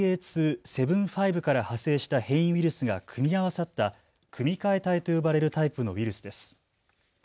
．２．７５から派生した変異ウイルスが組み合わさった組み換え体と呼ばれるタイプのウイルスです。